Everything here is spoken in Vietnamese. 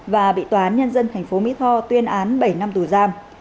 và bị tòa án nhân dân thành phố mỹ tho tuyên án bảy năm tù giam